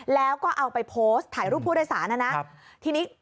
แล้วก็เอาไปโพสต์ถ่ายรูปผู้โดยสารนะนะทีนี้